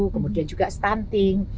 kemudian juga stunting